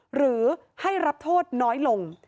หรือให้รับโทษน้อยลง